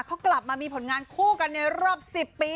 เขากลับมามีผลงานคู่กันในรอบ๑๐ปี